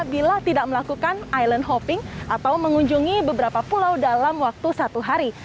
bila tidak melakukan island hopping atau mengunjungi beberapa pulau dalam waktu satu hari